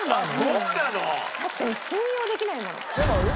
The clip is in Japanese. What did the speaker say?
だって信用できないもの。